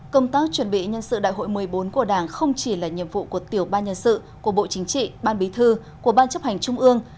công tác chuẩn bị nhân sự đại hội một mươi bốn của đảng không chỉ là nhiệm vụ của tiểu ban nhân sự của bộ chính trị ban bí thư của ban chấp hành trung ương